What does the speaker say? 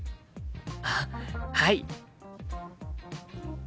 あっはい。